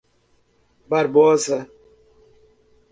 Barbosa